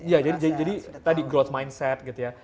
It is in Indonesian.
ya jadi tadi growth mindset gitu ya